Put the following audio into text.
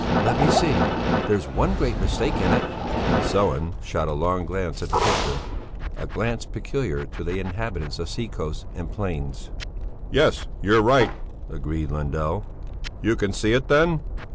"Let me see! There's one great mistake in it." Sellén shot a long glance at the picture, a glance peculiar to the inhabitants of sea coasts and plains. "Yes, you're right," agreed Lundell. "You can see it then?"